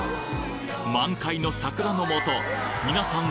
満開の桜のもとみなさん